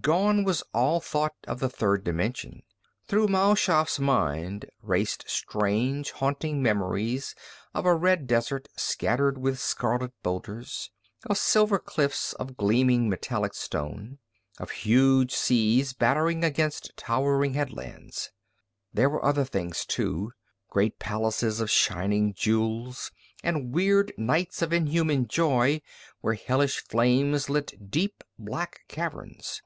Gone was all thought of the third dimension. Through Mal Shaff's mind raced strange, haunting memories of a red desert scattered with scarlet boulders, of silver cliffs of gleaming metallic stone, of huge seas battering against towering headlands. There were other things, too. Great palaces of shining jewels, and weird nights of inhuman joy where hellish flames lit deep, black caverns.